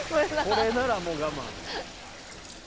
これならもう我慢。